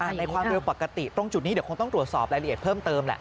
ในความเร็วปกติตรงจุดนี้เดี๋ยวคงต้องตรวจสอบรายละเอียดเพิ่มเติมแหละ